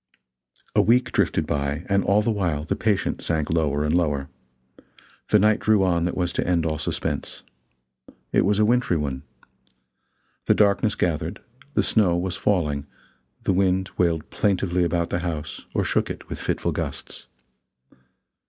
A week drifted by, and all the while the patient sank lower and lower. The night drew on that was to end all suspense. It was a wintry one. The darkness gathered, the snow was falling, the wind wailed plaintively about the house or shook it with fitful gusts.